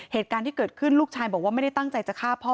เหตุการณ์ที่เกิดขึ้นลูกชายบอกว่าไม่ได้ตั้งใจจะฆ่าพ่อ